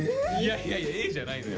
いやいや「え？」じゃないのよ。